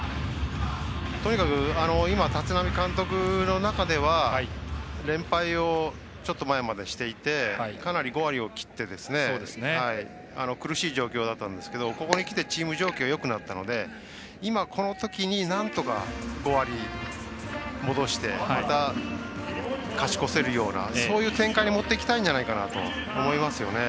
とにかく今、立浪監督の中では連敗をちょっと前までしていてかなり５割を切って苦しい状況だったんですがここにきてチーム状況よくなったので今、このときになんとか５割に戻してまた、勝ち越せるようなそういう展開に持っていきたいんじゃないかと思いますね。